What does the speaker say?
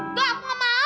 enggak aku enggak mau